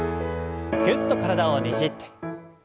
ぎゅっと体をねじって。